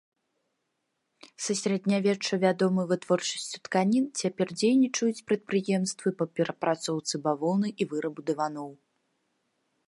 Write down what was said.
Са сярэднявечча вядомы вытворчасцю тканін, цяпер дзейнічаюць прадпрыемствы па перапрацоўцы бавоўны і вырабу дываноў.